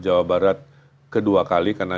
jawa barat kedua kali karena